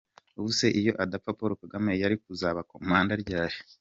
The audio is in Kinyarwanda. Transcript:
Ubu se iyo adapfa Paul Kagame yari kuzaba commander ryari!!??